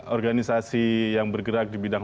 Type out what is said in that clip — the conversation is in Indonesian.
organisasi yang bergerak di bidang